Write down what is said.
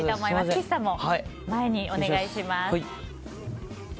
岸さんも前にお願いします。